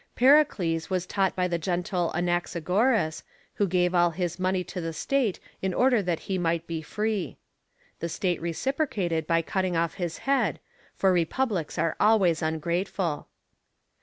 Pericles was taught by the gentle Anaxagoras, who gave all his money to the State in order that he might be free. The State reciprocated by cutting off his head, for republics are always ungrateful.